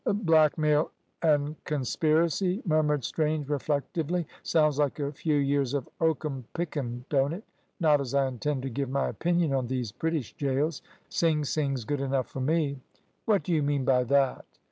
"Blackmail an' conspiracy," murmured Strange, reflectively. "Sounds like a few years of oakum pickin', don't it? Not as I intend to give my opinion on these British gaols. Sing sing's good enough fur me." "What do you mean by that?"